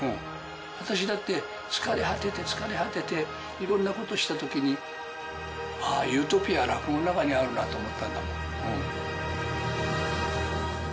私だって、疲れ果てて疲れ果てて、いろんなことしたときに、ああ、ユートピアは落語の中にあるなと思ったんだもん。